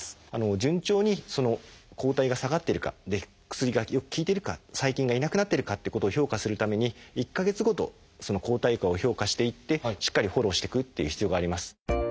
順調に抗体が下がっているか薬がよく効いてるか細菌がいなくなってるかっていうことを評価するために１か月ごと抗体価を評価していってしっかりフォローしてくっていう必要があります。